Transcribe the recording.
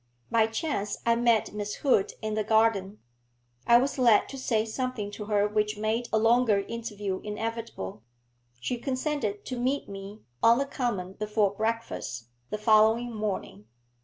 By chance I met Miss Hood in the garden. I was led to say something to her which made a longer interview inevitable; she consented to meet me on the common before breakfast, the following morning.